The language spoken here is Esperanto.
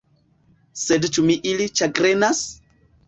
Sed ĉu Min ili ĉagrenas?